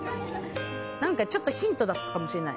何かちょっとヒントだったかもしれない。